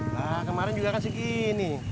nah kemarin juga kasih gini